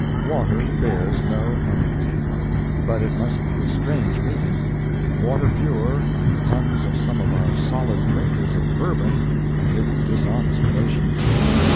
Water bears no enmity. But it must be a strange meeting—water pure and the tongues of some of our solid drinkers of Bourbon and its dishonest relations.